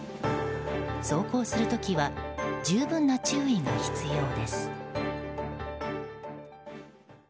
走行する時は十分な注意が必要です。